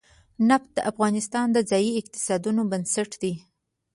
نفت د افغانستان د ځایي اقتصادونو بنسټ دی.